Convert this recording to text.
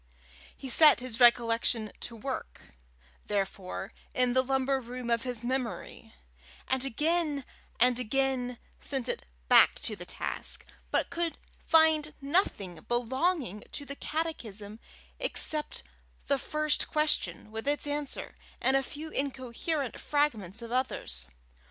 He set his recollection to work, therefore, in the lumber room of his memory, and again and again sent it back to the task, but could find nothing belonging to the catechism except the first question with its answer, and a few incoherent fragments of others.